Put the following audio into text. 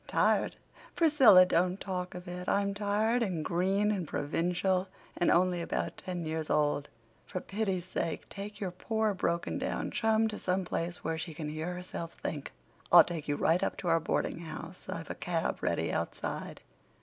"Tired! Priscilla, don't talk of it. I'm tired, and green, and provincial, and only about ten years old. For pity's sake take your poor, broken down chum to some place where she can hear herself think." "I'll take you right up to our boardinghouse. I've a cab ready outside."